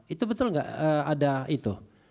itu betul nggak ada itu